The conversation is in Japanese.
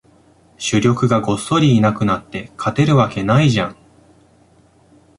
主力がごっそりいなくなって、勝てるわけないじゃん